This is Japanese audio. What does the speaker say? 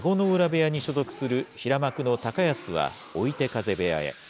部屋に所属する平幕の高安は追手風部屋へ。